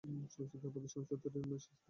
চলচ্চিত্র প্রদর্শন চলচ্চিত্র নির্মাণের শেষ ধাপ।